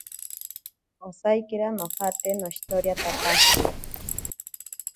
Osaikira nojate noshitoriatapaje.